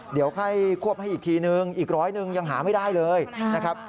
เดี๋ยวให้ควบให้อีกทีนึงอีกร้อยหนึ่งยังหาไม่ได้เลยนะครับ